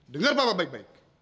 dengar papa baik baik